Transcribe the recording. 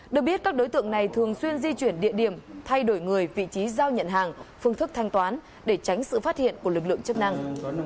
được biết các đối tượng này thường xuyên di chuyển địa điểm thay đổi người vị trí giao nhận hàng phương thức thanh toán để tránh sự phát hiện của lực lượng chức năng